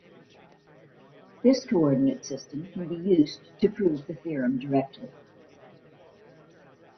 This coordinate system can be used to prove the theorem directly.